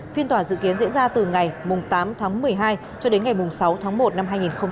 phiên tòa dự kiến diễn ra từ ngày tám tháng một mươi hai cho đến ngày sáu tháng một năm hai nghìn hai mươi